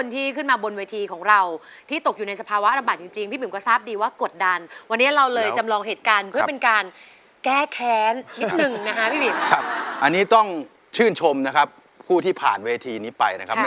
ถือว่าเป็นการผิดที่ยับเยินค่ะ